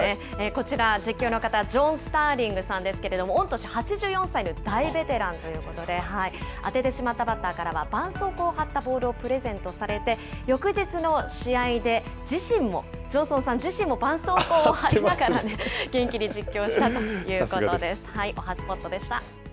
こちら、実況の方、ジョン・スターリングさんですけれども、御年８４歳の大ベテランということで、当ててしまったバッターからはばんそうこうを貼ったボールをプレゼントされて、翌日の試合で自身も、ジョンソンさん自身もばんそうこうを貼りながらね、元気に実況したということです。